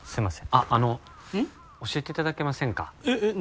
あの教えていただけませんかえっ